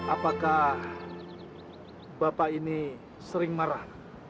apakah bapak ini sering marah